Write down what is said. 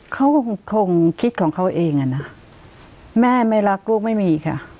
เขาก็คงคิดของเขาเองอ่ะนะแม่ไม่รักลูกไม่มีค่ะ